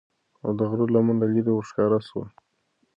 او د غره لمن له لیری ورښکاره سول